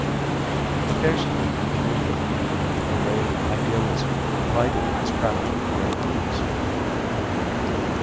Occasionally a gleam of humour, a ray of idealism, lighted his practical grey eyes.